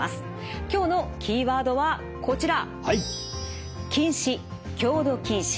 今日のキーワードはこちら。